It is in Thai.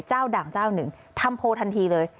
ด่างเจ้าหนึ่งทำโพลทันทีเลย